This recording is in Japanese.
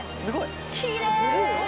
きれい。